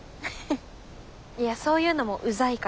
いやそういうのもうざいから。